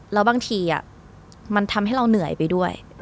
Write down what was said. แล้วบางทีมันทำให้เราเหนื่อยไปด้วย